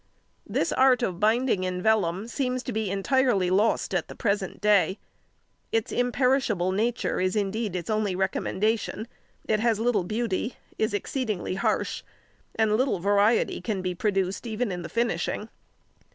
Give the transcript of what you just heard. This art of binding in vellum seems to be entirely lost at the present day; its imperishable nature is indeed its only recommendation. It has little beauty; is exceedingly harsh; and little variety can be produced even in the finishing.